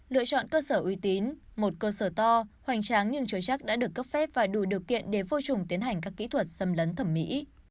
lựa chọn cơ sở uy tín một cơ sở to hoành tráng nhưng chối chắc đã được cấp phép và đủ điều kiện để vô trùng tiến hành các kỹ thuật xâm lấn thẩm mỹ